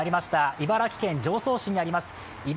茨城県常総市にあります